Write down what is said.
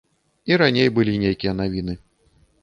І раней былі нейкія навіны.